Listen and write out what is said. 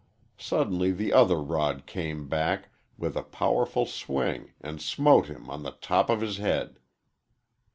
Suddenly the other rod came back with a powerful swing and smote him on the top of his head.